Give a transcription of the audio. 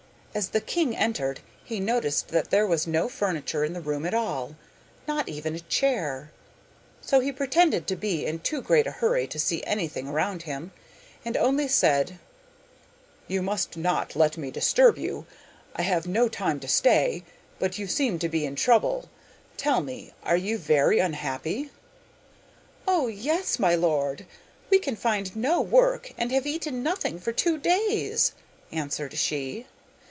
As the king entered, he noticed that there was no furniture in the room at all, not even a chair, so he pretended to be in too great a hurry to see anything around him, and only said 'You must not let me disturb you. I have no time to stay, but you seemed to be in trouble. Tell me; are you very unhappy?' 'Oh, my lord, we can find no work and have eaten nothing for two days!' answered she.